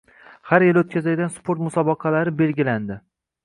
Har yili o‘tkaziladigan sport musobaqalari belgilanding